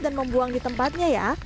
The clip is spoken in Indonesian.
dan membuang di tempatnya ya